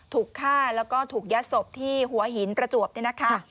ถูกฆ่าแล้วก็ถูกยัดศพที่หัวหินประจวบเนี่ยนะคะ